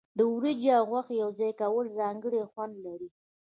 د وریجې او غوښې یوځای کول ځانګړی خوند لري.